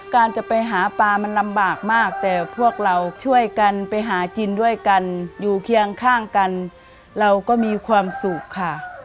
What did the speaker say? การจะไปหาปลามันลำบากมากแต่พวกเราช่วยกันไปหากินด้วยกันอยู่เคียงข้างกันเราก็มีความสุขค่ะ